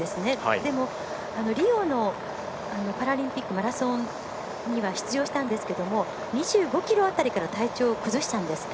でもリオのパラリンピックマラソンには出場したんですけど２５ｋｍ辺りから体調を崩したんですね。